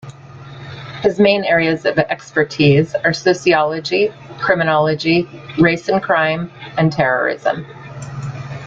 His main areas of expertise are sociology, criminology, race and crime, and terrorism.